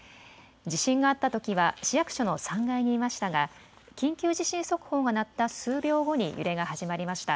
地震があったときは市役所の３階にいましたが緊急地震速報が鳴った数秒後に揺れが始まりました。